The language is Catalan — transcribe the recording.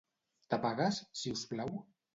T'apagues, si us plau?